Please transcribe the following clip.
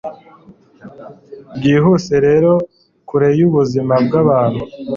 byihuse rero kure yubuzima bwabantu